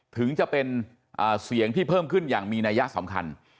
ถึงจะเป็นเสียงที่เพิ่มขึ้นอย่างมีนัยสำคัญ